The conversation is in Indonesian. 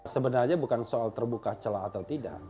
sebenarnya bukan soal terbuka celah atau tidak